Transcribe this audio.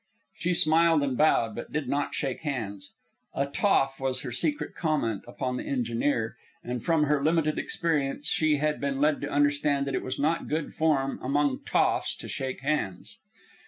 She smiled and bowed, but did not shake hands. "A toff" was her secret comment upon the engineer; and from her limited experience she had been led to understand that it was not good form among "toffs" to shake hands.